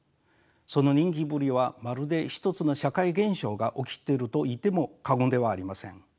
その人気ぶりはまるで一つの社会現象が起きてるといっても過言ではありません。